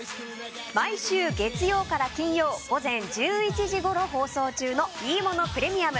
毎週月曜から金曜午前１１時ごろ放送中の「いいものプレミアム」